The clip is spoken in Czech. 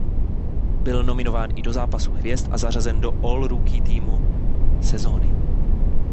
Byl nominován i do zápasu hvězd a zařazen do All Rookie Teamu sezony.